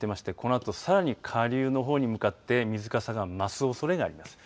このあと、さらに下流のほうに向かって水かさが増すおそれがあります。